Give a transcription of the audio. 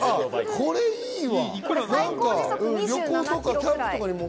これいいわ！